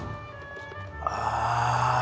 ああ。